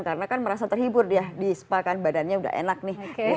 karena kan merasa terhibur di spa kan badannya udah enak nih